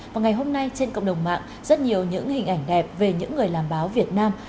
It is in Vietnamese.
và ngày hôm nay trên cộng đồng mạng rất nhiều những hình ảnh đẹp về những người làm báo việt nam